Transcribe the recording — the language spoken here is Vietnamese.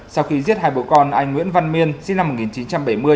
sau khi giết hai bố con anh nguyễn văn miên sinh năm một nghìn chín trăm bảy mươi